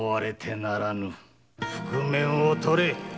覆面を取れ。